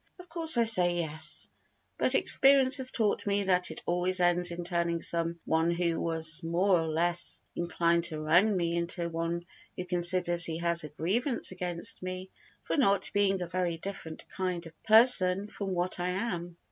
Of course I say "Yes," but experience has taught me that it always ends in turning some one who was more or less inclined to run me into one who considers he has a grievance against me for not being a very different kind of person from what I am.